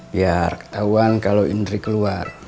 biar ketahuan kalau indri keluar